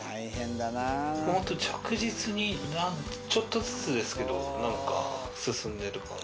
本当、着実に、ちょっとずつですけど、なんか進んでる感じが。